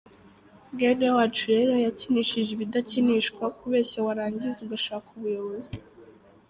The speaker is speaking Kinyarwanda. Mwene wacu rero yakinishije ibidakinishwa, kubeshya warangiza ugashaka ubuyobozi.